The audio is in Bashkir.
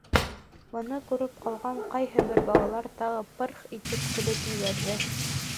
Быны күреп ҡалған ҡайһы бер балалар тағы пырх итеп көлөп ебәрҙе.